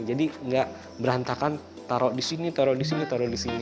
jadi tidak berantakan taruh di sini taruh di sini taruh di sini